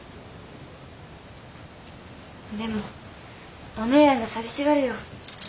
でもお姉やんが寂しがるよ。